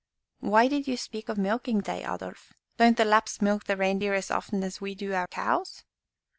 "Why did you speak of milking day, Adolf? Don't the Lapps milk the reindeer as often as we do our cows?"